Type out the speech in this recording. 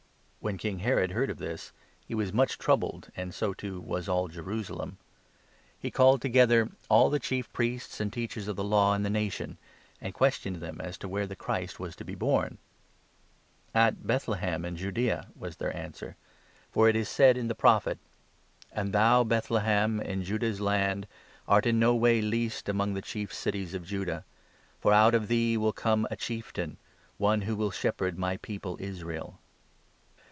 When King Herod heard of this, he was much troubled, and 3 so, too, was all Jerusalem. He called together all the Chief 4 Priests and Teachers of the Law in the nation, and questioned them as to where the Christ was to be born. "At Bethlehem in Judaea," was their answer ;" fbr it is said 5 in the Prophet — 4 And thou, Bethlehem in Judah's land, . 6 Art in no way least among the chief cities of Judah ; For out of thee will come a Chieftain — One who will shepherd my people Israel.'